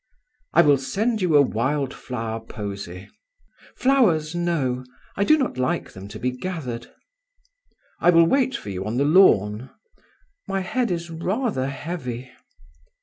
"I will send you a wild flower posy." "Flowers, no; I do not like them to be gathered." "I will wait for you on the lawn." "My head is rather heavy."